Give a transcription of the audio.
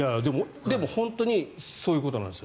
でも、本当にそういうことなんです。